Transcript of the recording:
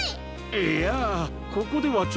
いやここではちょっと。